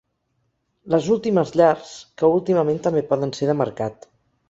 Les últimes llars, que últimament també poden ser de mercat.